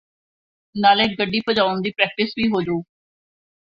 ਨਾਲੇ ਗੱਡੀ ਭਜਾਉਣ ਦੀ ਪ੍ਰੈਕਟਿਸ ਵੀ ਹੋਜੂ